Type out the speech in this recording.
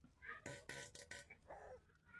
غالۍ د کور د ښکلا لپاره دي.